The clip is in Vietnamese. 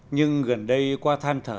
nhưng gần đây qua than thở